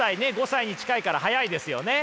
５歳に近いから早いですよね。